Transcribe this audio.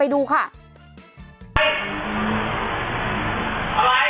คุณผู้ชมไปดูอีกหนึ่งเรื่องนะคะครับ